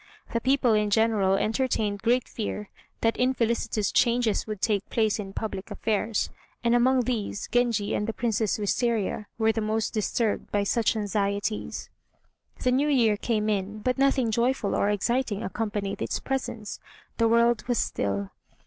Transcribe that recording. The people in general entertained great fear that infelicitous changes would take place in public affairs, and among these Genji and the Princess Wistaria were the most disturbed by such anxieties. The new year came in, but nothing joyful or exciting accompanied its presence the world was still.